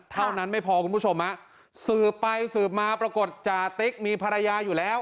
เท่านั้นไม่พอคุณผู้ชมฮะสืบไปสืบมาปรากฏจาติ๊กมีภรรยาอยู่แล้ว